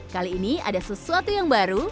kali ini ada sesuatu yang baru